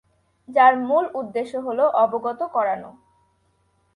যার মূল উদ্দেশ্য হল অবগত করানো।